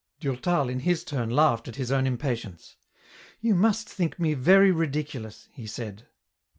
Durtal in his turn laughed at his own impatience. " You must think me very ridiculous," he said.